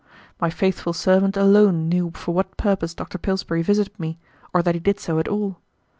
My faithful servant alone knew for what purpose Dr. Pillsbury visited me, or that he did so at all.